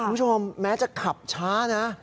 คุณผู้ชมแม้จะขับช้านะ